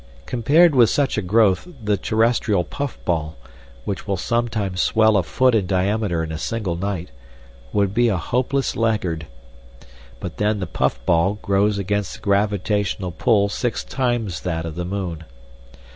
Compared with such a growth the terrestrial puff ball, which will sometimes swell a foot in diameter in a single night, would be a hopeless laggard. But then the puff ball grows against a gravitational pull six times that of the moon.